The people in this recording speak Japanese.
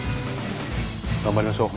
頑張りましょう。